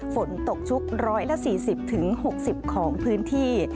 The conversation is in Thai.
ฝนตกชุก๑๔๐๖๐ของพื้นที่